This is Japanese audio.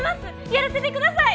やらせてください！